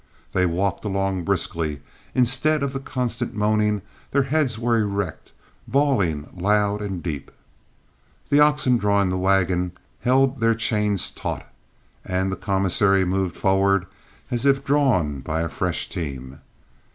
They walked along briskly; instead of the constant moaning, their heads were erect, bawling loud and deep. The oxen drawing the wagon held their chains taut, and the commissary moved forward as if drawn by a fresh team.